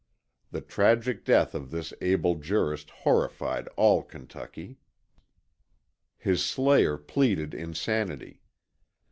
The tragic death of this able jurist horrified all Kentucky. His slayer pleaded insanity.